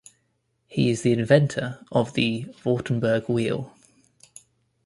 He is the inventor of the Wartenberg Wheel.